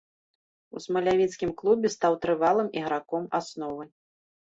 У смалявіцкім клубе стаў трывалым іграком асновы.